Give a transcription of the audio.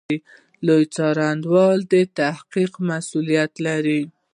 لوی څارنوالي د تحقیق مسوولیت لري